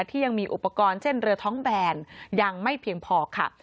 ที่ยังมีอุปกรณ์เช่นเรือท้องแบนยังไม่เพียงพอค่ะ